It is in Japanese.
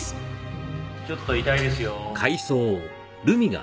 ちょっと痛いですよ。